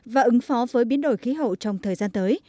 và ứng phó với biến đổi khí hậu trong thời gian tới